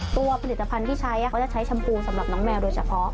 ตัวผลิตภัณฑ์ที่ใช้เขาจะใช้ชมพูสำหรับน้องแมวโดยเฉพาะ